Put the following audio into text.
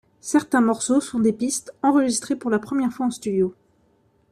Certains morceaux sont des pistes enregistrées pour la première fois en studio.